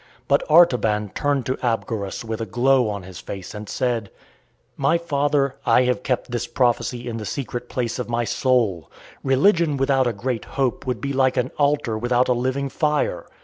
But Artaban turned to Abgarus with a glow on his face, and said: "My father, I have kept this prophecy in the secret place of my soul. Religion without a great hope would be like an altar without a living fire.